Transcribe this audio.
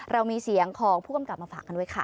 เรามีเสียงของผู้กำกับมาฝากกันไว้ค่ะ